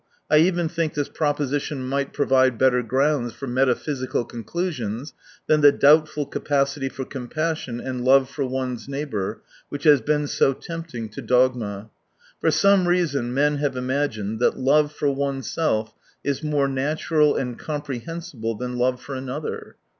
I even think this proposition might provide better grounds for metaphysical conclusions than the doubtful capacity for compassion and love for one's neighbour which has been so tempting to dogma. For some reason men have imagined that love for oneself is more natural and comprehensible than love for another.